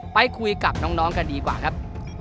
ไปคุยกับน้องกันดีกว่าครับ